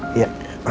okay itu dia ya